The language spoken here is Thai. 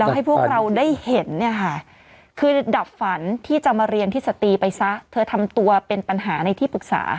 ให้พวกเราได้เห็นเนี่ยค่ะคือระดับฝันที่จะมาเรียนที่สตรีไปซะเธอทำตัวเป็นปัญหาในที่ปรึกษา